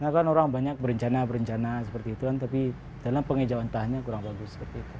karena orang banyak berencana berencana seperti itu tapi dalam pengejauhan tahannya kurang bagus